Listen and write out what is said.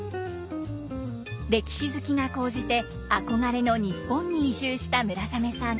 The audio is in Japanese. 歴史好きが高じて憧れの日本に移住した村雨さん。